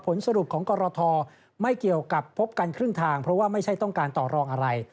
สรุปของกรทไม่เกี่ยวกับพบกันครึ่งทางเพราะว่าไม่ใช่ต้องการต่อรองอะไร